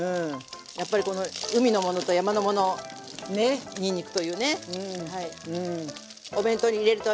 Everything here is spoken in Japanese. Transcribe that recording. やっぱりこの海のものと山のものにんにくというね。